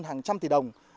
hàng trăm tỷ đồng